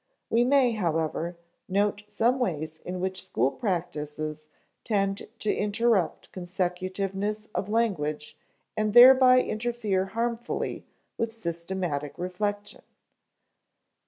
We may, however, note some ways in which school practices tend to interrupt consecutiveness of language and thereby interfere harmfully with systematic reflection.